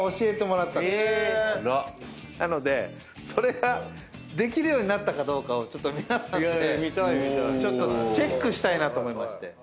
なのでそれができるようになったかどうかを皆さんでちょっとチェックしたいなと思いまして。